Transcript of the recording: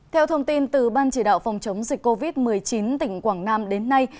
theo thông tin từ ban chỉ đạo phòng chống dịch covid một mươi chín tỉnh quảng nam đến nay